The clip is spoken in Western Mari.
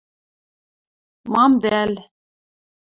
Мам вӓл?